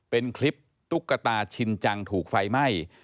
เป็นคลิปตุ๊กตาชินจังถูกไฟไหม้